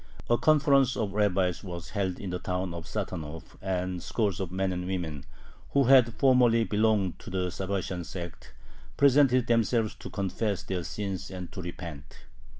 A conference of rabbis was held in the town of Satanov, and scores of men and women, who had formerly belonged to the Sabbatian sect, presented themselves to confess their sins and to repent.